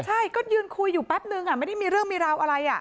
ใช่ก็ยืนคุยอยู่แป๊บนึงไม่ได้มีเรื่องมีราวอะไร